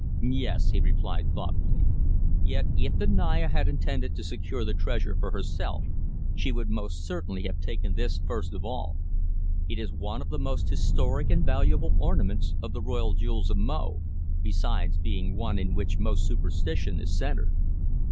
"Yes," he replied thoughtfully. "Yet if the Naya had intended to secure the treasure for herself she would most certainly have taken this first of all. It is one of the most historic and valuable ornaments of the royal jewels of Mo, besides being one in which most superstition is centred.